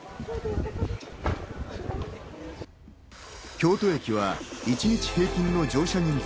京都駅は一日平均の乗車人数